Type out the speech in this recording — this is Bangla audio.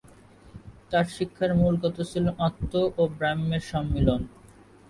তার শিক্ষার মূল কথা ছিল আত্ম ও ব্রহ্মের সম্মিলন।